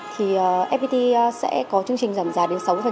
thì fpt sẽ có chương trình giảm giá đến sáu